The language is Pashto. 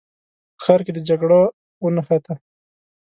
په ښار کې د جګړه ونښته.